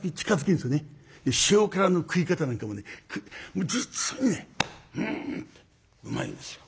塩辛の食い方なんかもねこうもう実にねうんうまいんですよ。